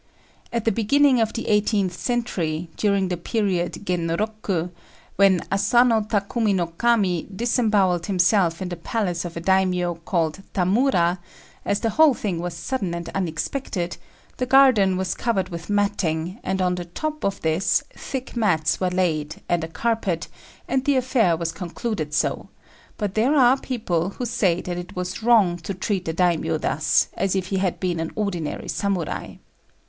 At the beginning of the eighteenth century, during the period Genroku, when Asano Takumi no Kami disembowelled himself in the palace of a Daimio called Tamura, as the whole thing was sudden and unexpected, the garden was covered with matting, and on the top of this thick mats were laid and a carpet, and the affair was concluded so; but there are people who say that it was wrong to treat a Daimio thus, as if he had been an ordinary Samurai.